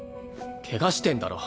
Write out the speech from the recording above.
ケガしてんだろ？